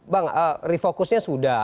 bang refocusnya sudah